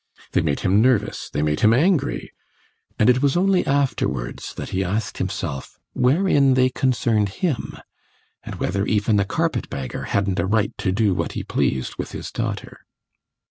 They made him nervous, they made him angry, and it was only afterwards that he asked himself wherein they concerned him, and whether even a carpet bagger hadn't a right to do what he pleased with his daughter.